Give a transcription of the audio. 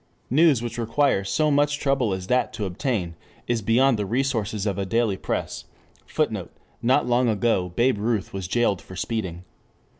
News which requires so much trouble as that to obtain is beyond the resources of a daily press. [Footnote: Not long ago Babe Ruth was jailed for speeding.